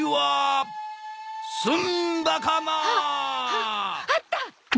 ははあった！